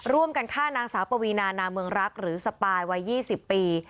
ร่วมกันฆ่านางสาวปวีนานาเมืองรักหรือสปายวัย๒๐ปี